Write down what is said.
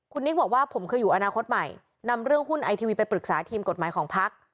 คุณนิกบอกว่าผมเคยอยู่อนาคตใหม่นำเรื่องหุ้นไอทีวีไปปรึกษาทีมกฎหมายของพัก